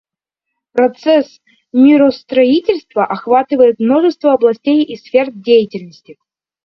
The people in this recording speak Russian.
Процесс миростроительства охватывает множество областей и сфер деятельности.